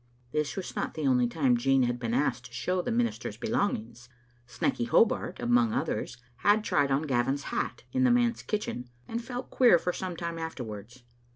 This was not the only time Jean had been asked to show the minister's belongings. Snecky Hobart, among others, had tried on Gavin's hat in the manse kitchen, and felt queer for some time afterwards.